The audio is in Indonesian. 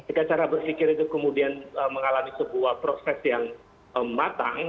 jika cara berpikir itu kemudian mengalami sebuah proses yang matang